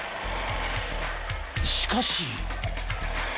しかし。